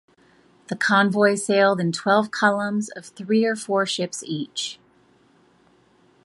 The convoy sailed in twelve columns of three or four ships each.